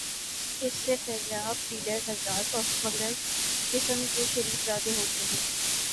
اس سے فیضیاب ڈیلر حضرات اور سمگلر قسم کے شریف زادے ہوتے ہیں۔